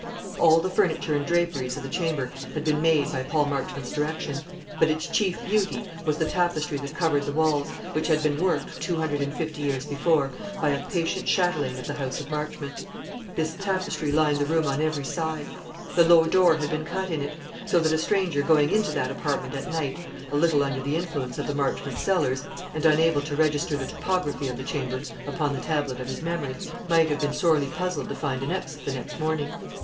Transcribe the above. All the furniture and draperies of the chamber had been made by Paul Marchmont's direction; but its chief beauty was the tapestry that covered the walls, which had been worked, two hundred and fifty years before, by a patient chatelaine of the House of Marchmont. This tapestry lined the room on every side. The low door had been cut in it; so that a stranger going into that apartment at night, a little under the influence of the Marchmont cellars, and unable to register the topography of the chamber upon the tablet of his memory, might have been sorely puzzled to find an exit the next morning.